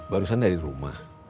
barusan dari rumah